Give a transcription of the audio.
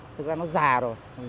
thực ra nó già rồi